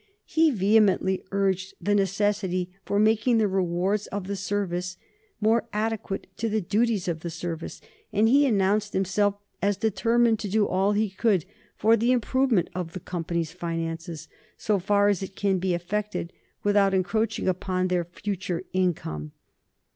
He vehemently urged the necessity for making the rewards of the service more adequate to the duties of the service, and he announced himself as determined to do all he could for "the improvement of the Company's finances, so far as it can be effected without encroaching upon their future income."